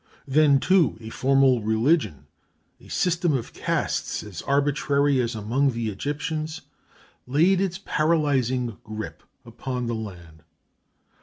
Then, too, a formal religion, a system of castes as arbitrary as among the Egyptians, laid its paralyzing grip upon the land.